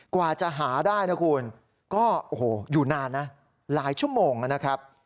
กว่าจะหาได้นะคุณก็โอ้โหอยู่นานนะหลายชั่วโมงนะครับ